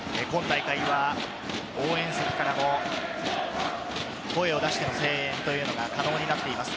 今大会は、応援席からも声を出しての声援というのが可能になっています。